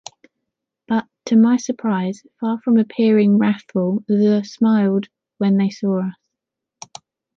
But, to my surprise, far from appearing wrathful, the smiled when they saw us!